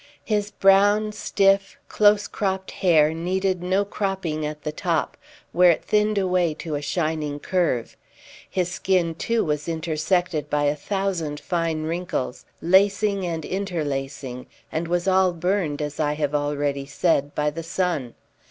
His brown, stiff, close cropped hair needed no cropping at the top, where it thinned away to a shining curve. His skin too was intersected by a thousand fine wrinkles, lacing and interlacing, and was all burned, as I have already said, by the sun.